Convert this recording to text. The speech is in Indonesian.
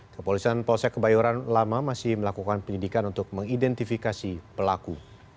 kepolisian polsek kebayoran lama masih melakukan penyidikan untuk mengidentifikasi pelaku